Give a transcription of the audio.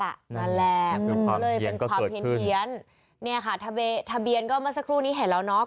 นั่นแหละมันก็เลยเป็นความเพี้ยนเนี่ยค่ะทะเบียนก็เมื่อสักครู่นี้เห็นแล้วเนาะ